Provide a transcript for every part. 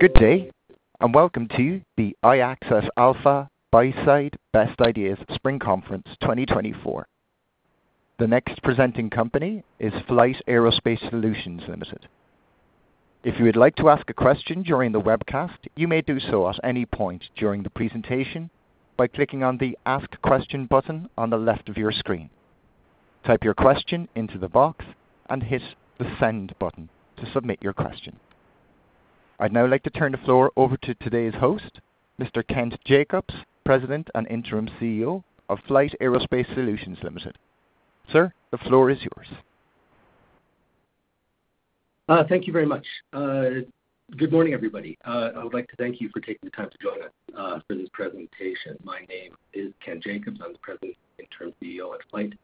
Good day, and welcome to the iAccess Alpha Buy Side Best Ideas Spring Conference 2024. The next presenting company is FLYHT Aerospace Solutions Limited. If you would like to ask a question during the webcast, you may do so at any point during the presentation by clicking on the Ask Question button on the left of your screen. Type your question into the box and hit the Send button to submit your question. I'd now like to turn the floor over to today's host, Mr. Kent Jacobs, President and Interim CEO of FLYHT Aerospace Solutions Limited. Sir, the floor is yours. Thank you very much. Good morning, everybody. I would like to thank you for taking the time to join us for this presentation. My name is Kent Jacobs. I'm the President and Interim CEO at FLYHT.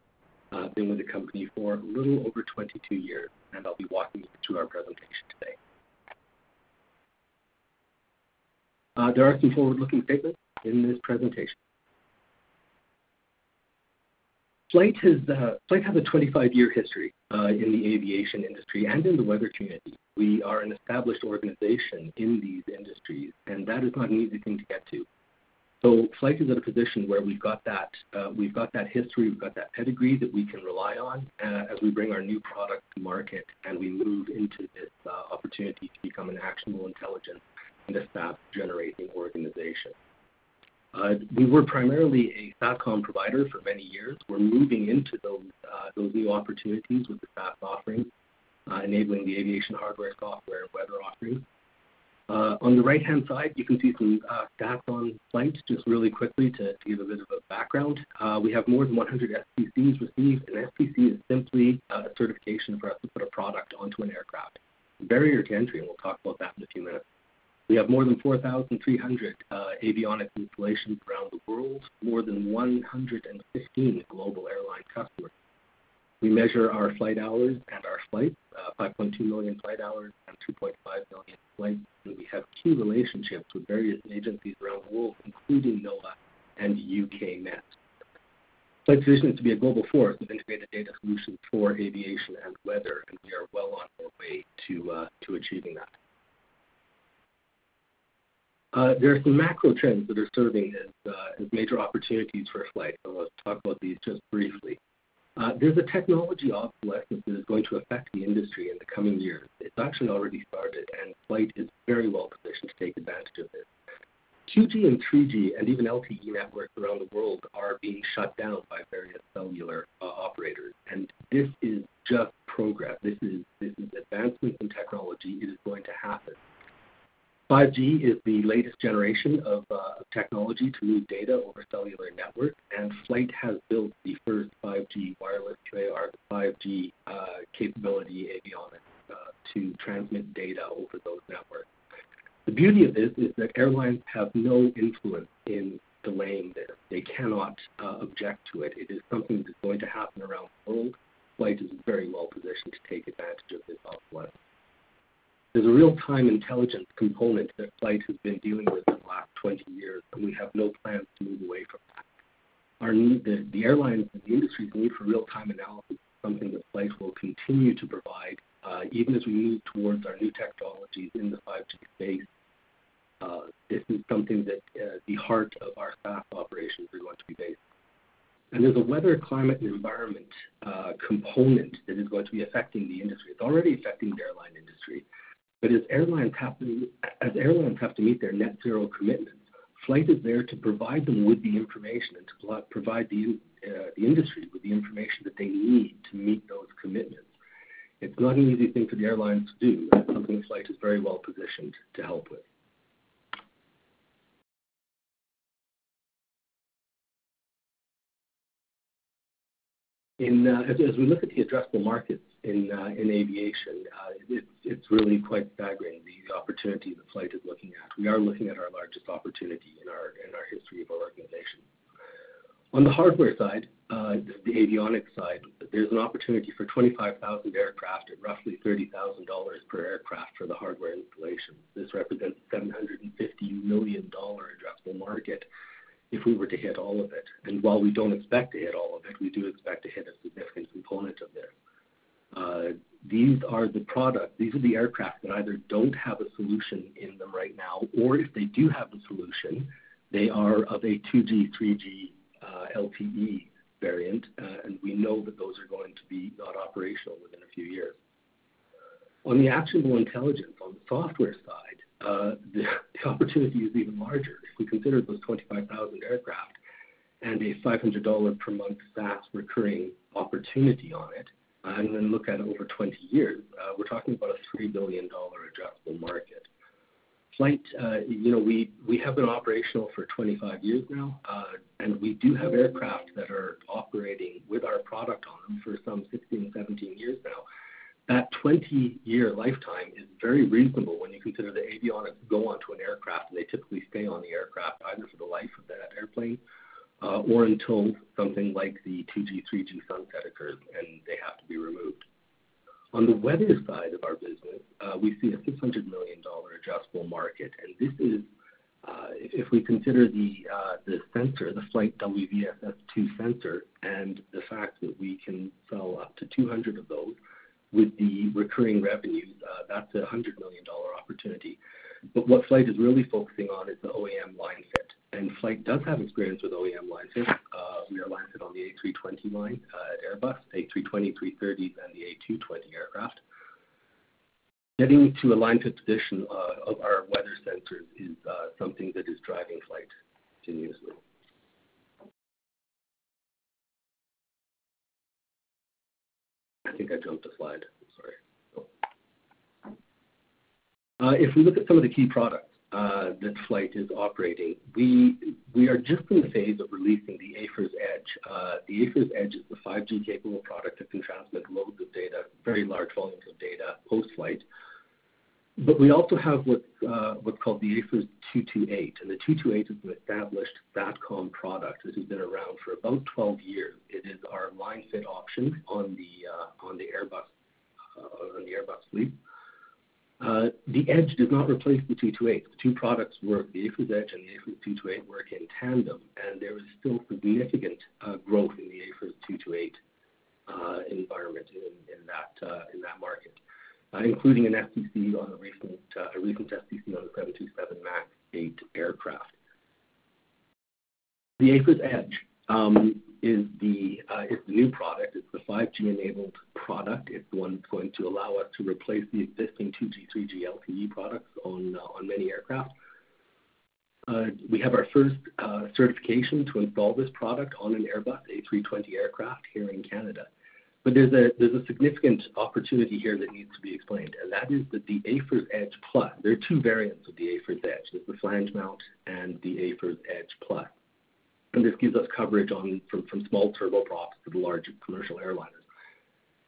I've been with the company for a little over 22 years, and I'll be walking you through our presentation today. There are some forward-looking statements in this presentation. FLYHT has, FLYHT has a 25-year history in the aviation industry and in the weather community. We are an established organization in these industries, and that is not an easy thing to get to. So FLYHT is at a position where we've got that, we've got that history, we've got that pedigree that we can rely on, as we bring our new product to market and we move into this opportunity to become an actionable, intelligent, and a SAP-generating organization. We were primarily a SATCOM provider for many years. We're moving into those, those new opportunities with the SATCOM offerings, enabling the aviation hardware, software, and weather offerings. On the right-hand side, you can see some stats on FLYHT just really quickly to give a bit of a background. We have more than 100 STCs received, and STC is simply a certification for us to put a product onto an aircraft. Barrier to entry, and we'll talk about that in a few minutes. We have more than 4,300 avionics installations around the world, more than 115 global airline customers. We measure our flight hours and our flights, 5.2 million flight hours and 2.5 million flights, and we have key relationships with various agencies around the world, including NOAA and UK Met. FLYHT's vision is to be a global force with integrated data solutions for aviation and weather, and we are well on our way to achieving that. There are some macro trends that are serving as major opportunities for FLYHT, and I'll talk about these just briefly. There's a technology obsolescence that is going to affect the industry in the coming years. It's actually already started, and FLYHT is very well positioned to take advantage of this. 2G and 3G, and even LTE networks around the world, are being shut down by various cellular operators, and this is just progress. This is advancements in technology. It is going to happen. 5G is the latest generation of technology to move data over cellular networks, and FLYHT has built the first 5G wireless QAR, the 5G capability avionics, to transmit data over those networks. The beauty of this is that airlines have no influence in delaying this. They cannot object to it. It is something that is going to happen around the world. FLYHT is very well positioned to take advantage of this obsolescence. There's a real-time intelligence component that FLYHT has been dealing with the last 20 years, and we have no plans to move away from that. The airlines and the industry's need for real-time analysis is something that FLYHT will continue to provide, even as we move towards our new technologies in the 5G space. This is something that the heart of our SAP operations are going to be based. There's a weather, climate, and environment component that is going to be affecting the industry. It's already affecting the airline industry, but as airlines have to meet their net zero commitments, FLYHT is there to provide them with the information and to provide the industry with the information that they need to meet those commitments. It's not an easy thing for the airlines to do, and it's something that FLYHT is very well positioned to help with. As we look at the addressable markets in aviation, it's really quite staggering, the opportunity that FLYHT is looking at. We are looking at our largest opportunity in our history of our organization. On the hardware side, the avionics side, there's an opportunity for 25,000 aircraft at roughly $30,000 per aircraft for the hardware installation. This represents a $750 million addressable market if we were to hit all of it. And while we don't expect to hit all of it, we do expect to hit a significant component of this. These are the products. These are the aircraft that either don't have a solution in them right now, or if they do have a solution, they are of a 2G, 3G, LTE variant, and we know that those are going to be not operational within a few years. On the actionable intelligence, on the software side, the opportunity is even larger. If we consider those 25,000 aircraft and a $500 per month SaaS recurring opportunity on it, and then look at over 20 years, we're talking about a $3 billion addressable market. FLYHT, you know, we have been operational for 25 years now, and we do have aircraft that are operating with our product on them for some 16-17 years now. That 20-year lifetime is very reasonable when you consider the avionics go onto an aircraft, and they typically stay on the aircraft either for the life of that airplane, or until something like the 2G, 3G sunset occurs and they have to be removed. On the weather side of our business, we see a $600 million addressable market, and this is, if we consider the sensor, the FLYHT WVSS2 sensor, and the fact that we can sell up to 200 of those with the recurring revenues, that's a $100 million opportunity. But what FLYHT is really focusing on is the OEM line fit, and FLYHT does have experience with OEM line fits. We are line fitting on the A320 line, at Airbus, the A320, A330, and the A220 aircraft. Getting to a line fit position of our weather sensors is something that is driving FLYHT continuously. I think I jumped a slide. Sorry. If we look at some of the key products that FLYHT is operating, we are just in the phase of releasing the AFIRS Edge. The AFIRS Edge is the 5G capable product that can transmit loads of data, very large volumes of data, post-flight. But we also have what's called the AFIRS 228, and the 228 is an established SATCOM product that has been around for about 12 years. It is our line fit option on the Airbus fleet. The Edge does not replace the 228. The two products work. The AFIRS Edge and the AFIRS 228 work in tandem, and there is still significant growth in the AFIRS 228 environment in that market, including a recent STC on the 737 MAX 8 aircraft. The AFIRS Edge is the new product. It's the 5G-enabled product. It's the one that's going to allow us to replace the existing 2G, 3G, LTE products on many aircraft. We have our first certification to install this product on an Airbus A320 aircraft here in Canada. But there's a significant opportunity here that needs to be explained, and that is that the AFIRS Edge Plus. There are two variants of the AFIRS Edge. There's the flange mount and the AFIRS Edge Plus. And this gives us coverage from small turboprops to the large commercial airliners.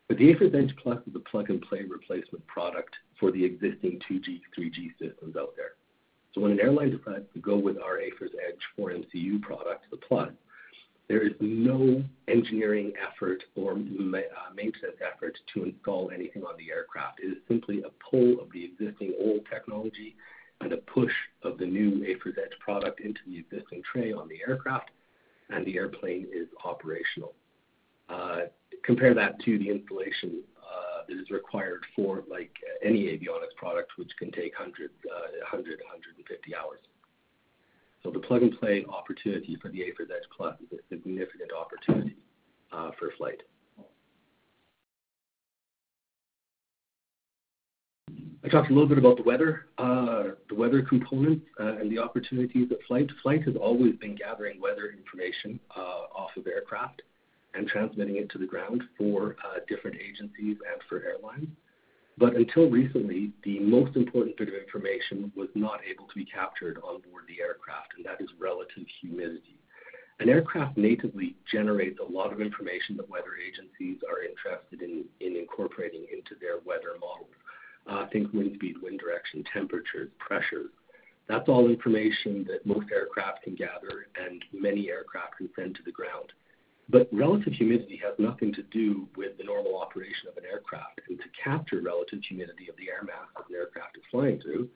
But the AFIRS Edge Plus is a plug-and-play replacement product for the existing 2G, 3G systems out there. So when an airline decides to go with our AFIRS Edge 4MCU product, the Plus, there is no engineering effort or maintenance effort to install anything on the aircraft. It is simply a pull of the existing old technology and a push of the new AFIRS Edge product into the existing tray on the aircraft, and the airplane is operational. Compare that to the installation that is required for, like, any avionics product, which can take hundreds, 100, 150 hours. So the plug-and-play opportunity for the AFIRS Edge Plus is a significant opportunity for FLYHT. I talked a little bit about the weather, the weather components, and the opportunities at FLYHT. FLYHT has always been gathering weather information off of aircraft and transmitting it to the ground for different agencies and for airlines. But until recently, the most important bit of information was not able to be captured on board the aircraft, and that is relative humidity. An aircraft natively generates a lot of information that weather agencies are interested in, in incorporating into their weather models. Think wind speed, wind direction, temperatures, pressures. That's all information that most aircraft can gather, and many aircraft can send to the ground. But relative humidity has nothing to do with the normal operation of an aircraft, and to capture relative humidity of the air mass that an aircraft is flying through,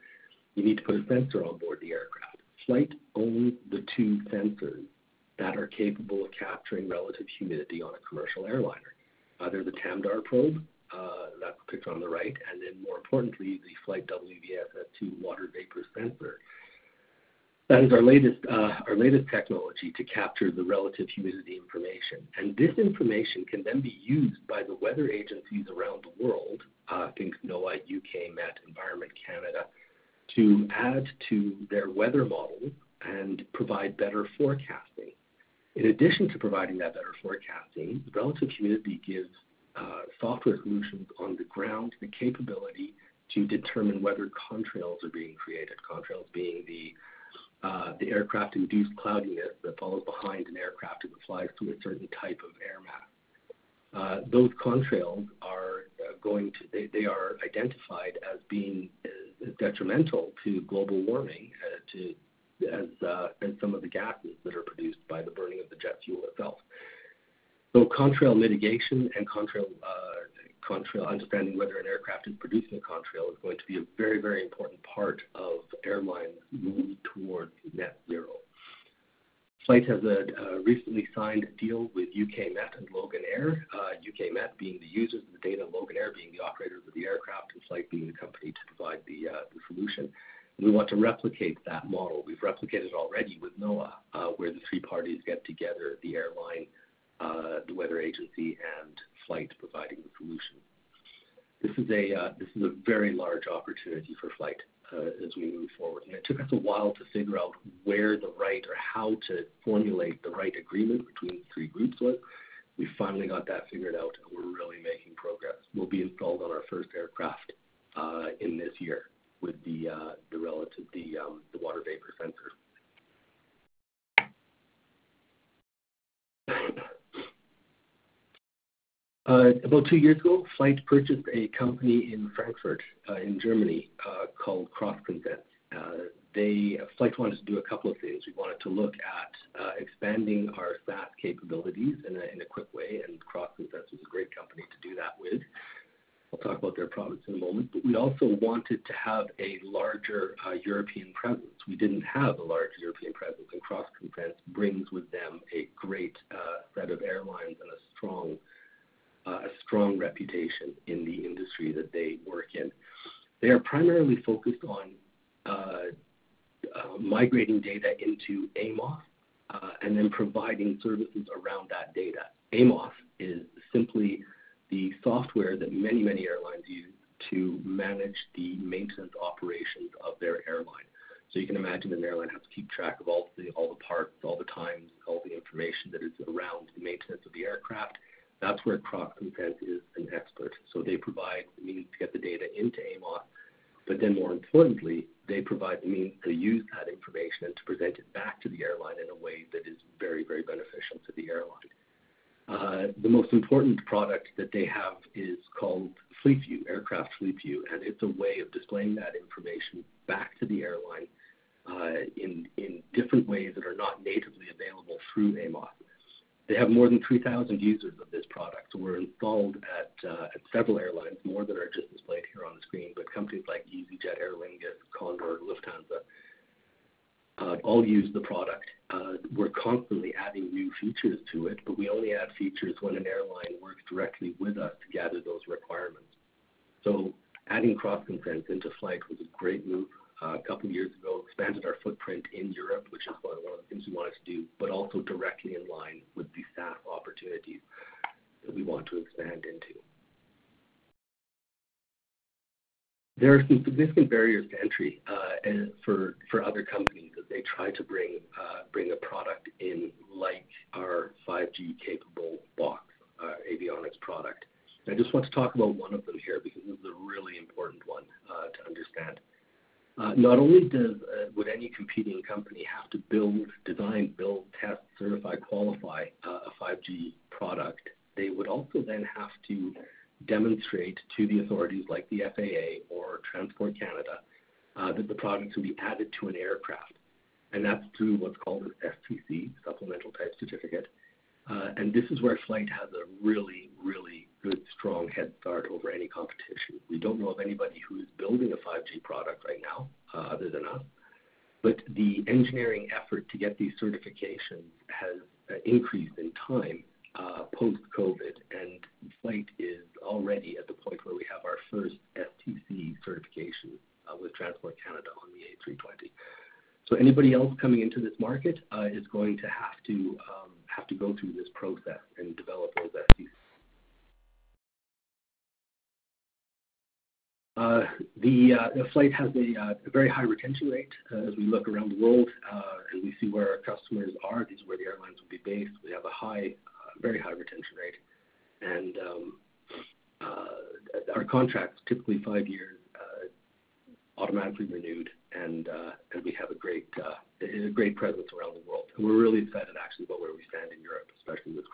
you need to put a sensor on board the aircraft. FLYHT owns the two sensors that are capable of capturing relative humidity on a commercial airliner. They're the TAMDAR probe, that's pictured on the right, and then, more importantly, the FLYHT-WVSS-II water vapor sensor. That is our latest technology to capture the relative humidity information. This information can then be used by the weather agencies around the world, think NOAA, UKMet, Environment Canada, to add to their weather models and provide better forecasting. In addition to providing that better forecasting, relative humidity gives software solutions on the ground the capability to determine whether contrails are being created, contrails being the aircraft-induced cloudiness that follows behind an aircraft as it flies through a certain type of air mass. Those contrails are identified as being detrimental to global warming, as some of the gases that are produced by the burning of the jet fuel itself. So contrail mitigation and contrail understanding whether an aircraft is producing a contrail is going to be a very, very important part of airlines' move towards net zero. FLYHT has a recently signed deal with UKMet and Loganair, UKMet being the users of the data, Loganair being the operators of the aircraft, and FLYHT being the company to provide the solution. We want to replicate that model. We've replicated it already with NOAA, where the three parties get together, the airline, the weather agency, and FLYHT providing the solution. This is a very large opportunity for FLYHT, as we move forward. It took us a while to figure out where the right or how to formulate the right agreement between the three groups was. We finally got that figured out, and we're really making progress. We'll be installed on our first aircraft in this year with the water vapor sensor. About two years ago, FLYHT purchased a company in Frankfurt, in Germany, called CrossConsense. They FLYHT wanted to do a couple of things. We wanted to look at expanding our SAP capabilities in a quick way, and CrossConsense was a great company to do that with. I'll talk about their products in a moment. But we also wanted to have a larger European presence. We didn't have a large European presence, and CrossConsense brings with them a great set of airlines and a strong reputation in the industry that they work in. They are primarily focused on migrating data into AMOS, and then providing services around that data. AMOS is simply the software that many airlines use to manage the maintenance operations of their airline. So you can imagine an airline has to keep track of all the parts, all the times, all the information that is around the maintenance of the aircraft. That's where CrossConsense is an expert. So they provide the means to get the data into AMOS, but then, more importantly, they provide the means to use that information and to present it back to the airline in a way that is very, very beneficial to the airline. The most important product that they have is called FleetView, Aircraft FleetView, and it's a way of displaying that information back to the airline, in, in different ways that are not natively available through AMOS. They have more than 3,000 users of this product. We're installed at, at several airlines, more than are just displayed here on the screen, but companies like easyJet, Aer Lingus, Condor, Lufthansa, all use the product. We're constantly adding new features to it, but we only add features when an airline works directly with us to gather those requirements. So adding CrossConsense into FLYHT was a great move, a couple of years ago, expanded our footprint in Europe, which is one of the things we wanted to do, but also directly in line with the SaaS opportunities that we want to expand into. There are some significant barriers to entry, for other companies as they try to bring a product in like our 5G capable box, our avionics product. And I just want to talk about one of them here because this is a really important one, to understand. Not only would any competing company have to design, build, test, certify, qualify a 5G product, they would also then have to demonstrate to the authorities like the FAA or Transport Canada, that the product can be added to an aircraft. And that's through what's called an STC, Supplemental Type Certificate. This is where FLYHT has a really, really good, strong head start over any competition. We don't know of anybody who is building a 5G product right now, other than us. But the engineering effort to get these certifications has increased in time, post-COVID, and FLYHT is already at the point where we have our first STC certification, with Transport Canada on the A320. So anybody else coming into this market is going to have to, have to go through this process and develop those STCs. FLYHT has a very high retention rate. As we look around the world, and we see where our customers are, these are where the airlines will be based, we have a high, very high retention rate. Our contracts are typically five years, automatically renewed, and we have a great, a great presence around the world. We're really excited, actually, about where we stand in Europe, especially with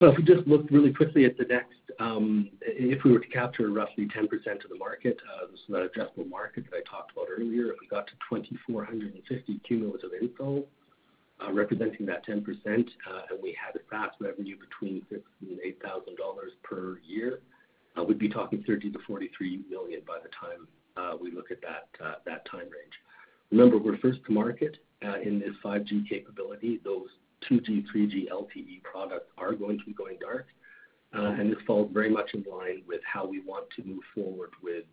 CrossConsense. Well, if we just looked really quickly at the next, if we were to capture roughly 10% of the market, this is that addressable market that I talked about earlier, if we got to 2,450 cumulative installs, representing that 10%, and we had a SaaS revenue between $6,000-$8,000 per year, we'd be talking $30 million-$43 million by the time we look at that time range. Remember, we're first to market in this 5G capability. Those 2G, 3G, LTE products are going to be going dark, and this falls very much in line with how we want to move forward with,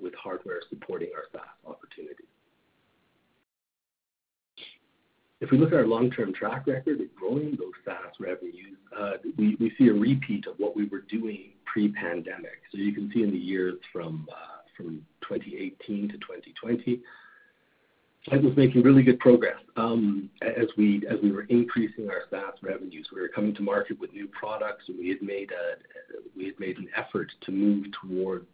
with hardware supporting our SaaS opportunities. If we look at our long-term track record of growing those SaaS revenues, we, we see a repeat of what we were doing pre-pandemic. So you can see in the years from 2018-2020, FLYHT was making really good progress. As we were increasing our SaaS revenues, we were coming to market with new products, and we had made an effort to move towards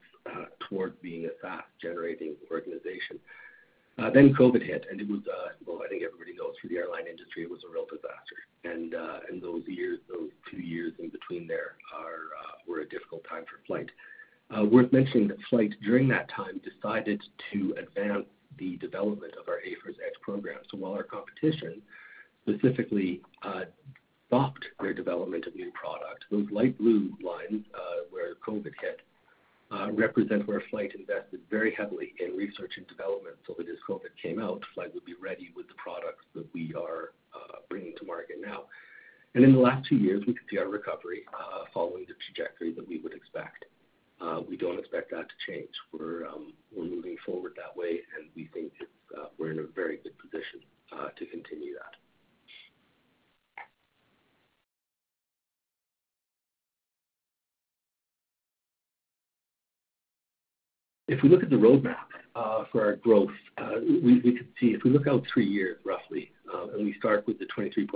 being a SaaS-generating organization. Then COVID hit, and it was a, well, I think everybody knows for the airline industry, it was a real disaster. And those two years in between were a difficult time for FLYHT. Worth mentioning that FLYHT, during that time, decided to advance the development of our AFIRS Edge program. So while our competition specifically stopped their development of new products, those light blue lines, where COVID hit, represent where FLYHT invested very heavily in research and development so that as COVID came out, FLYHT would be ready with the products that we are bringing to market now. In the last two years, we can see our recovery following the trajectory that we would expect. We don't expect that to change. We're moving forward that way, and we think we're in a very good position to continue that. If we look at the roadmap for our growth, we can see if we look out three years, roughly, and we start with the 23.7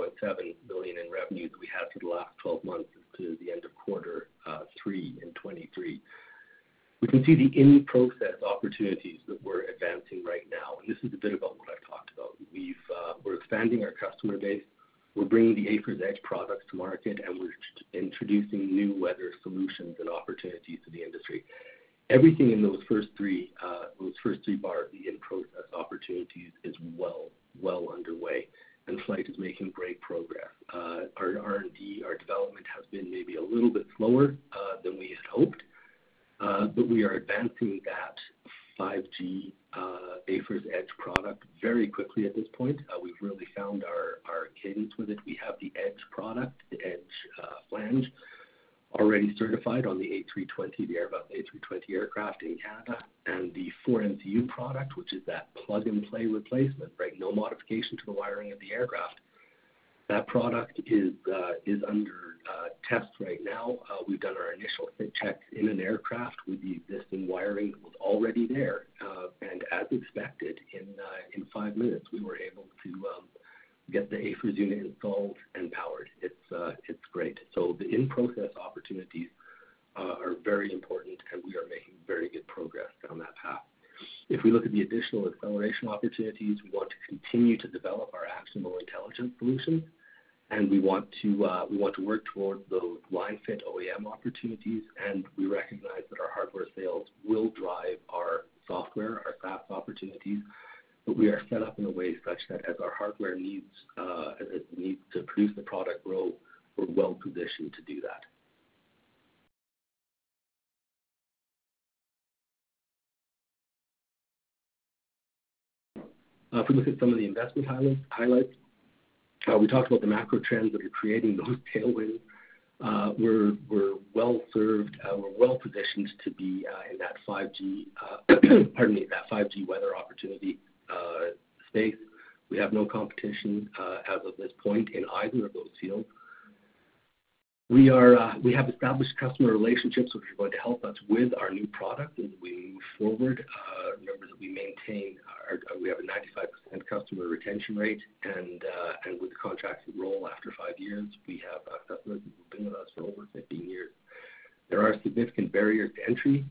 million in revenue that we had for the last 12 months to the end of quarter three in 2023, we can see the in-process opportunities that we're advancing right now. This is a bit about what I've talked about. We've, we're expanding our customer base. We're bringing the AFIRS Edge products to market, and we're introducing new weather solutions and opportunities to the industry. Everything in those first three, those first three bars, the in-process opportunities, is well, well underway, and FLYHT is making great progress. Our R&D, our development has been maybe a little bit slower, than we had hoped, but we are advancing that 5G, AFIRS Edge product very quickly at this point. We've really found our, our cadence with it. We have the Edge product, the Edge, flange, already certified on the A320, the Airbus A320 aircraft in Canada, and the 4MCU product, which is that plug-and-play replacement, right, no modification to the wiring of the aircraft. That product is, is under, test right now. We've done our initial fit checks in an aircraft with the existing wiring that was already there. As expected, in five minutes, we were able to get the AFIRS unit installed and powered. It's great. So the in-process opportunities are very important, and we are making very good progress down that path. If we look at the additional acceleration opportunities, we want to continue to develop our actionable intelligence solutions, and we want to work towards those line fit OEM opportunities, and we recognize that our hardware sales will drive our software, our SaaS opportunities, but we are set up in a way such that as our hardware needs, as it needs to produce the product grow, we're well positioned to do that. If we look at some of the investment highlights, we talked about the macro trends that are creating those tailwinds. We're well served. We're well positioned to be in that 5G, pardon me, that 5G weather opportunity space. We have no competition, as of this point in either of those fields. We are. We have established customer relationships, which are going to help us with our new product as we move forward. Remember that we maintain our 95% customer retention rate, and with the contracts that roll after five years, we have customers who have been with us for over 15 years. There are significant barriers to entry,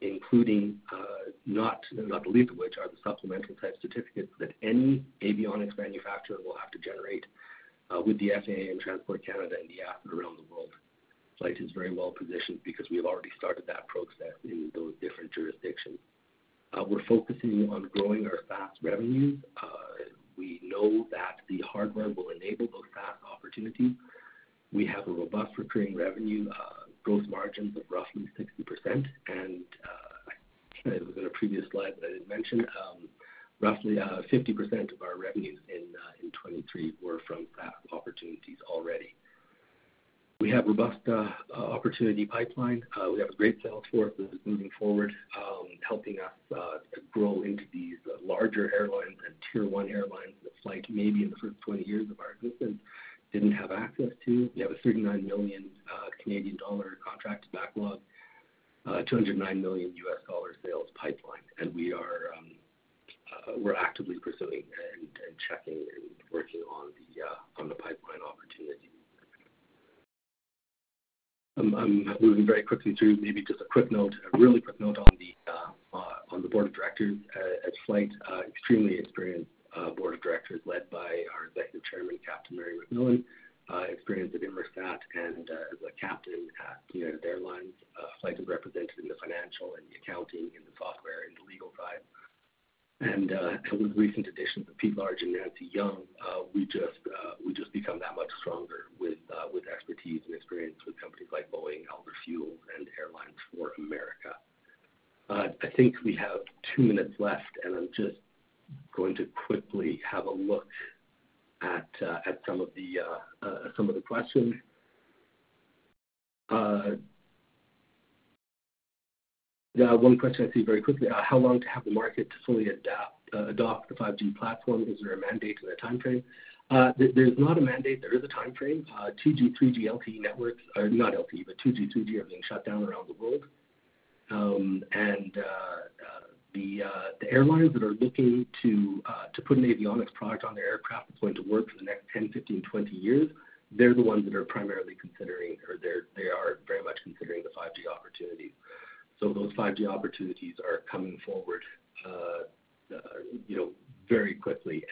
including not the least of which are the supplemental type certificates that any avionics manufacturer will have to generate, with the FAA and Transport Canada and the AFIRS around the world. FLYHT is very well positioned because we have already started that process in those different jurisdictions. We're focusing on growing our SaaS revenues. We know that the hardware will enable those SaaS opportunities. We have a robust recurring revenue, growth margins of roughly 60%, and I was in a previous slide that I didn't mention, roughly 50% of our revenues in 2023 were from SaaS opportunities already. We have a robust opportunity pipeline. We have a great sales force that is moving forward, helping us grow into these larger airlines and tier one airlines that FLYHT maybe in the first 20 years of our existence didn't have access to. We have a 39 million Canadian dollar contract backlog, $209 million sales pipeline, and we are actively pursuing and checking and working on the pipeline opportunities. I'm moving very quickly through. Maybe just a quick note, a really quick note on the board of directors. As FLYHT, extremely experienced board of directors led by our Executive Chairman, Captain Mary McMillan, experienced at Inmarsat and, as a captain at United Airlines, FLYHT is represented in the financial and the accounting and the software and the legal side. And, with recent additions of Pete Large and Nancy Young, we just, we just become that much stronger with, with expertise and experience with companies like Boeing, Alder Fuels, and Airlines for America. I think we have two minutes left, and I'm just going to quickly have a look at, at some of the, some of the questions. Yeah, one question I see very quickly. How long to have the market to fully adapt, adopt the 5G platform? Is there a mandate and a time frame? There's not a mandate. There is a time frame. 2G, 3G, LTE networks are not LTE, but 2G, 3G are being shut down around the world. And the airlines that are looking to put an avionics product on their aircraft that's going to work for the next 10, 15, 20 years, they're the ones that are primarily considering or they are very much considering the 5G opportunities. So those 5G opportunities are coming forward, you know, very quickly,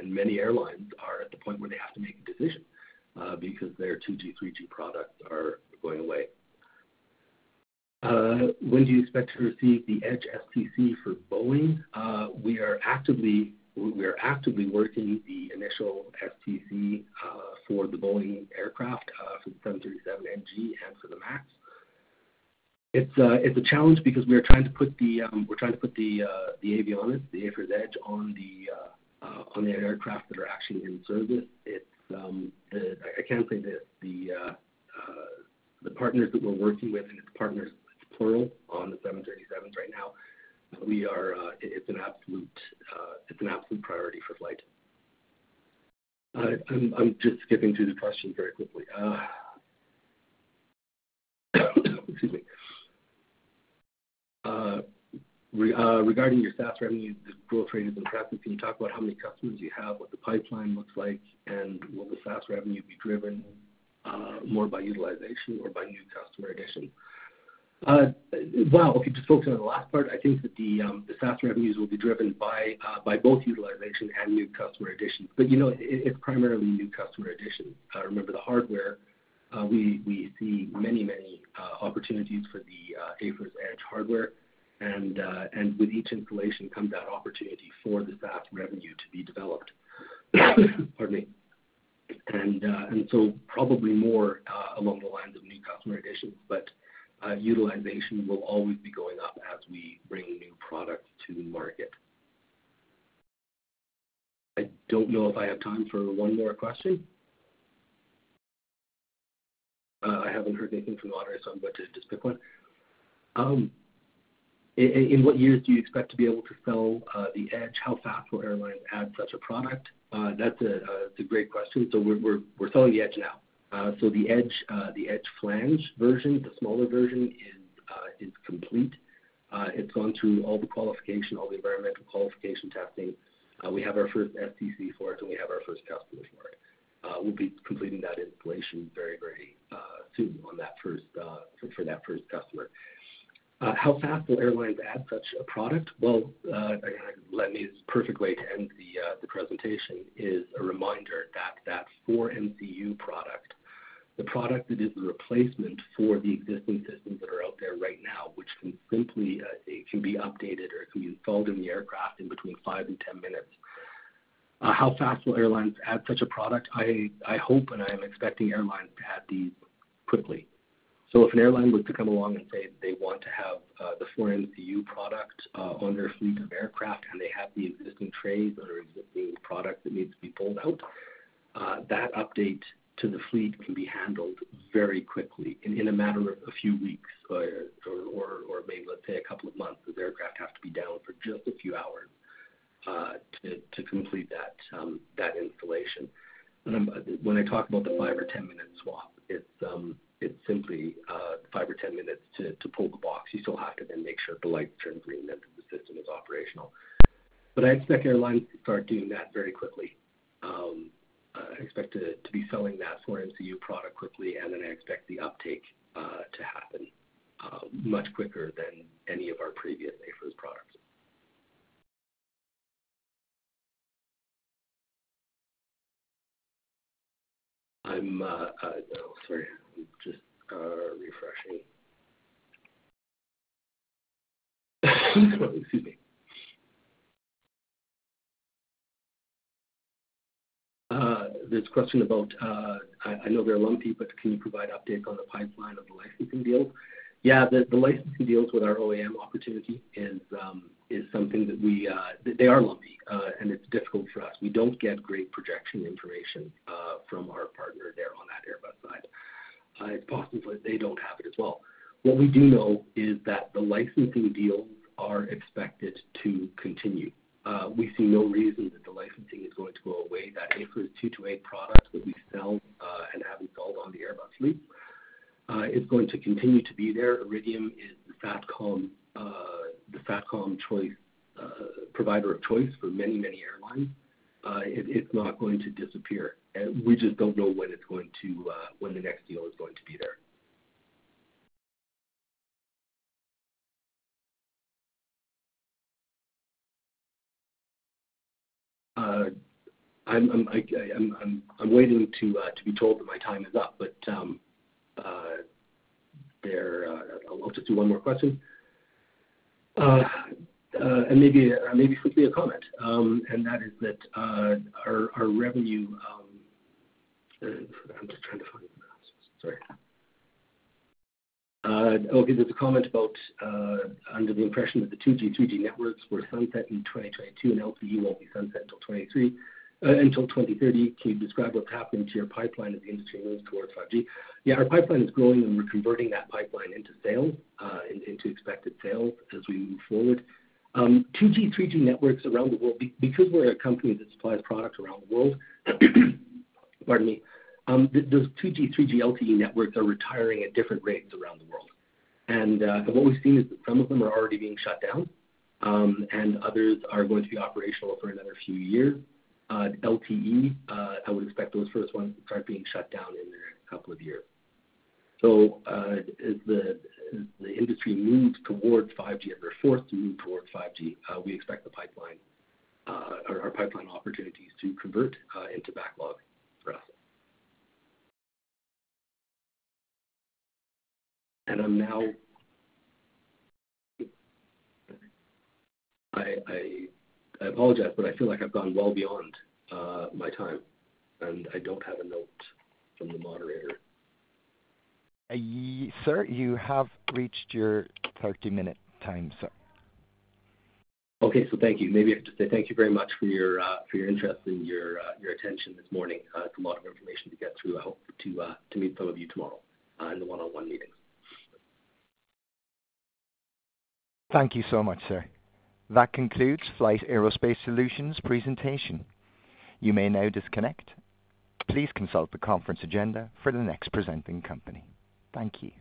and many airlines are at the point where they have to make a decision, because their 2G, 3G products are going away. When do you expect to receive the Edge STC for Boeing? We are actively working the initial STC for the Boeing aircraft, for the 737NG and for the MAX. It's a challenge because we are trying to put the avionics, the AFIRS Edge, on the aircraft that are actually in service. I can say this. The partners that we're working with—and it's partners, it's plural—on the 737s right now, it's an absolute priority for FLYHT. I'm just skipping through the questions very quickly. Excuse me. Regarding your SaaS revenue, the growth rate is impressive. Can you talk about how many customers you have, what the pipeline looks like, and will the SaaS revenue be driven more by utilization or by new customer additions? Wow, okay, just focusing on the last part. I think that the SaaS revenues will be driven by both utilization and new customer additions. But, you know, it's primarily new customer additions. Remember the hardware, we see many opportunities for the AFIRS Edge hardware, and with each installation comes that opportunity for the SaaS revenue to be developed. Pardon me. And so probably more along the lines of new customer additions, but utilization will always be going up as we bring new products to market. I don't know if I have time for one more question. I haven't heard anything from the audience, so I'm going to just pick one. In what years do you expect to be able to sell the Edge? How fast will airlines add such a product? That's a great question. So we're selling the Edge now. So the Edge, the Edge flange version, the smaller version, is complete. It's gone through all the qualification, all the environmental qualification testing. We have our first STC for it, and we have our first customer for it. We'll be completing that installation very, very soon on that first, for that first customer. How fast will airlines add such a product? Well, again, I can let me this is a perfect way to end the, the presentation is a reminder that that 4MCU product, the product that is the replacement for the existing systems that are out there right now, which can simply, it can be updated or it can be installed in the aircraft in between five and 10 minutes, how fast will airlines add such a product? I, I hope and I am expecting airlines to add these quickly. So if an airline were to come along and say they want to have the 4MCU product on their fleet of aircraft and they have the existing trays on our existing product that needs to be pulled out, that update to the fleet can be handled very quickly in a matter of a few weeks or maybe, let's say, a couple of months. Those aircraft have to be down for just a few hours to complete that installation. And when I talk about the 5- or 10-minute swap, it's simply 5 or 10 minutes to pull the box. You still have to then make sure the lights turn green and that the system is operational. But I expect airlines to start doing that very quickly. I expect to be selling that 4MCU product quickly, and then I expect the uptake to happen much quicker than any of our previous AFIRS products. I'm, oh, sorry. I'm just refreshing. Excuse me. There's a question about. I know they're lumpy, but can you provide updates on the pipeline of the licensing deals? Yeah, the licensing deals with our OEM opportunity is something that we, they are lumpy, and it's difficult for us. We don't get great projection information from our partner there on that Airbus side. It's possible that they don't have it as well. What we do know is that the licensing deals are expected to continue. We see no reason that the licensing is going to go away. That AFIRS 228 product that we sell, and have installed on the Airbus fleet, is going to continue to be there. Iridium is the SATCOM, the SATCOM choice, provider of choice for many, many airlines. It's not going to disappear. We just don't know when it's going to, when the next deal is going to be there. I'm waiting to be told that my time is up, but there, I'll just do one more question. And maybe quickly a comment, and that is that our revenue, I'm just trying to find, sorry. Okay, there's a comment about under the impression that the 2G, 3G networks were sunset in 2022 and LTE won't be sunset until 2023, until 2030. Can you describe what's happening to your pipeline as the industry moves toward 5G? Yeah, our pipeline is growing, and we're converting that pipeline into sales, into expected sales as we move forward. 2G, 3G networks around the world because we're a company that supplies product around the world, pardon me. Those 2G, 3G LTE networks are retiring at different rates around the world. And what we've seen is that some of them are already being shut down, and others are going to be operational for another few years. LTE, I would expect those first ones to start being shut down in a couple of years. So, as the industry moves towards 5G, as we're forced to move towards 5G, we expect the pipeline, our pipeline opportunities to convert into backlog for us. And I apologize, but I feel like I've gone well beyond my time, and I don't have a note from the moderator. Sir, you have reached your 30-minute time, sir. Okay, so thank you. Maybe I could just say thank you very much for your, for your interest and your, your attention this morning. It's a lot of information to get through. I hope to, to meet some of you tomorrow, in the one-on-one meeting. Thank you so much, sir. That concludes FLYHT Aerospace Solutions' presentation. You may now disconnect. Please consult the conference agenda for the next presenting company. Thank you.